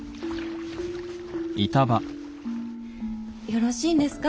よろしいんですか？